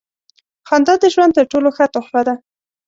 • خندا د ژوند تر ټولو ښه تحفه ده.